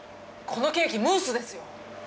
このケーキムースですよ！